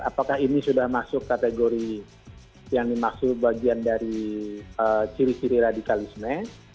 apakah ini sudah masuk kategori yang dimaksud bagian dari ciri ciri radikalisme